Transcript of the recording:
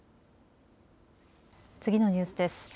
次のニュースです。